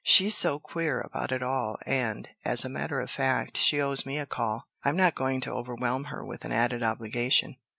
She's so queer about it all, and, as a matter of fact, she owes me a call. I'm not going to overwhelm her with an added obligation."